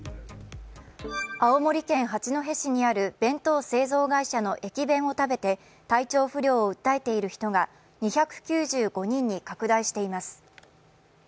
青森県八戸市にある弁当製造会社の駅弁を食べて体調不良を訴えている人が２９５人に拡大しています。